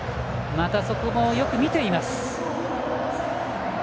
また、そこもよく見ています。